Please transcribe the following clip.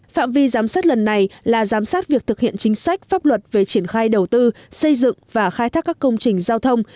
phạm vi giám sát lần này là giám sát việc thực hiện chính sách pháp luật về triển khai đầu tư xây dựng và khai thác các công trình giao thông